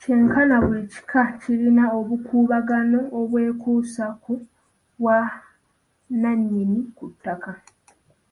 Kyenkana buli kika kirina obukuubagano obwekuusa ku bwannannyini ku ttaka.